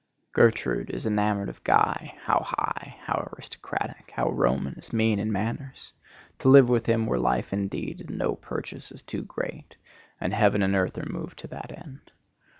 Gertrude is enamored of Guy; how high, how aristocratic, how Roman his mien and manners! to live with him were life indeed, and no purchase is too great; and heaven and earth are moved to that end.